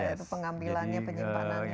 itu pengambilannya penyimpanannya